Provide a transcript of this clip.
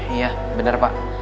iya bener pak